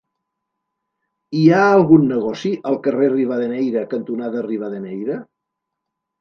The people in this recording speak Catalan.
Hi ha algun negoci al carrer Rivadeneyra cantonada Rivadeneyra?